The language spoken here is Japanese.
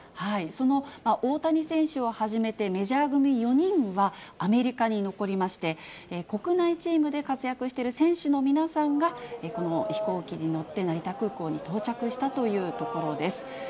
その大谷選手をはじめ、メジャー組４人はアメリカに残りまして、国内チームで活躍している選手の皆さんが、この飛行機に乗って、成田空港に到着したというところです。